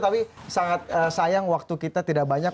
tapi sangat sayang waktu kita tidak banyak